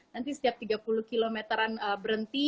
nanti setiap tiga puluh km an berhenti